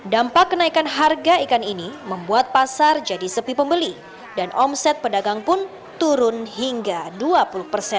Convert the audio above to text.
dampak kenaikan harga ikan ini membuat pasar jadi sepi pembeli dan omset pedagang pun turun hingga dua puluh persen